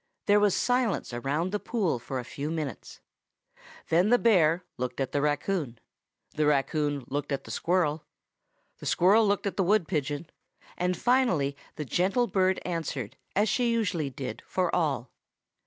There was silence around the pool for a few minutes. Then the bear looked at the raccoon, the raccoon looked at the squirrel, and the squirrel looked at the wood pigeon; and finally the gentle bird answered, as she usually did, for all.